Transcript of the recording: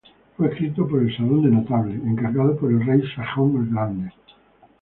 Fue escrito por el Salón de Notables, encargado por el rey Sejong el Grande.